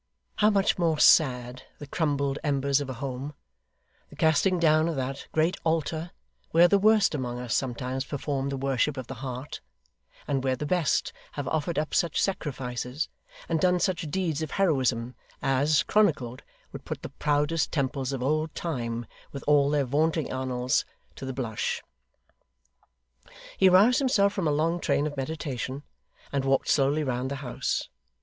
How much more sad the crumbled embers of a home: the casting down of that great altar, where the worst among us sometimes perform the worship of the heart; and where the best have offered up such sacrifices, and done such deeds of heroism, as, chronicled, would put the proudest temples of old Time, with all their vaunting annals, to the blush! He roused himself from a long train of meditation, and walked slowly round the house.